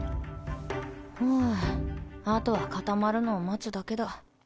フゥあとは固まるのを待つだけだ。